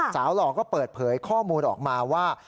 หล่อก็เปิดเผยข้อมูลออกมาว่า